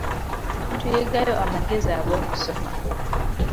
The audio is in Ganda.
Tuyigayo amagezi ag'okusoma.